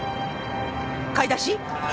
買い出し？